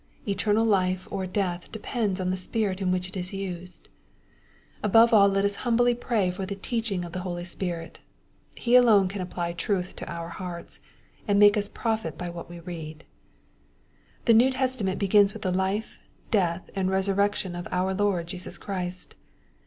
Eternal life or death depends on the spirit in which it is used. Above all let us humbly pray for the teaching of the Holy Spirit. He alone can apply truth to our hearts, and make us profit by what we read. The .New Testament begins with the life, death, and resurrection of our Lord Jesus Christ.